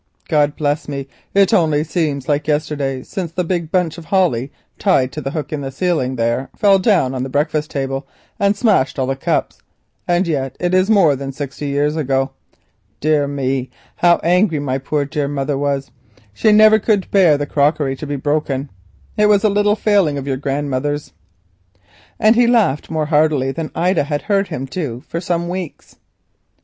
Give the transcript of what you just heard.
God bless me, it only seems like yesterday since the big bunch of holly tied to the hook in the ceiling there fell down on the breakfast table and smashed all the cups, and yet it is more than sixty years ago. Dear me! how angry my poor mother was. She never could bear the crockery to be broken—it was a little failing of your grandmother's," and he laughed more heartily than Ida had heard him do for some weeks.